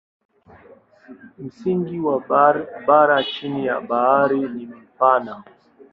Msingi wa bara chini ya bahari ni mpana.